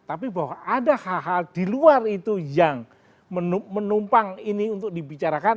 tapi bahwa ada hal hal di luar itu yang menumpang ini untuk dibicarakan